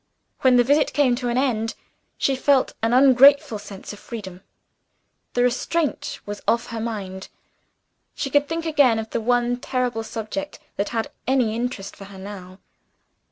When the visit came to an end, she felt an ungrateful sense of freedom: the restraint was off her mind; she could think again of the one terrible subject that had any interest for her now.